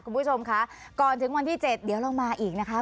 คุณผู้ชมคะก่อนถึงวันที่๗เดี๋ยวเรามาอีกนะคะ